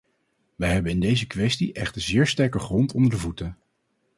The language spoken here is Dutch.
Wij hebben in deze kwestie echter zeer sterke grond onder de voeten.